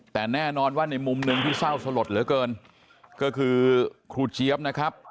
แต่แน่นอนว่าในมุมหนึ่งที่เศร้าสลดเหลือเกินก็คือครูเจี๊ยบนะครับ